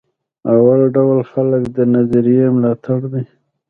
اول ډول خلک د نظریې ملاتړ دي.